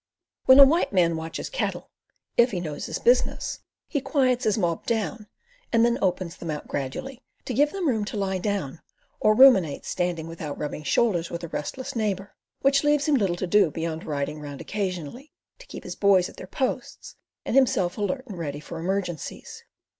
When a white man watches cattle, if he knows his business he quiets his mob down and then opens them out gradually, to give them room to lie down, or ruminate standing without rubbing shoulders with a restless neighbour, which leaves him little to do beyond riding round occasionally, to keep his "boys" at their posts, and himself alert and ready for emergencies.